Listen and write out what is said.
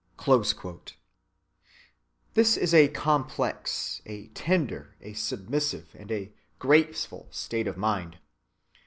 (13) This is a complex, a tender, a submissive, and a graceful state of mind.